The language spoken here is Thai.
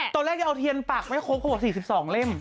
ตอนแรกจะเอาเทียนปักไม่ครบกำหนด๔๒เล่ม